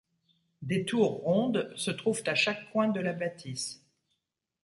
Des tours rondes se trouvent à chaque coin de la bâtisse.